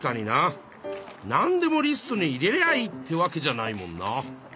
なんでもリストに入れりゃあいいってわけじゃないもんな。